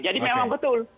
jadi memang betul